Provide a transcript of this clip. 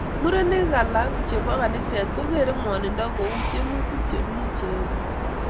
Murenik alam chebo kaniset kogeere ngwonindo ku tyemutik chebunu cheptailel